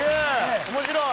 面白い！